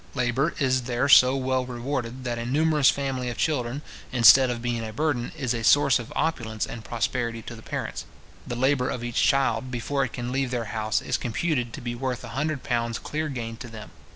Labour is there so well rewarded, that a numerous family of children, instead of being a burden, is a source of opulence and prosperity to the parents. The labour of each child, before it can leave their house, is computed to be worth a hundred pounds clear gain to them.